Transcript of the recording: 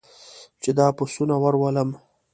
چې دا پسونه ور ولم.